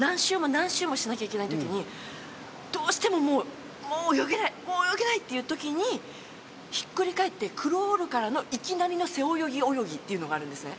どうしてももう泳げないもう泳げないっていう時にひっくり返ってクロールからのいきなりの背泳ぎ泳ぎっていうのがあるんですね。